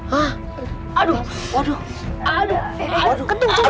hah aduh aduh aduh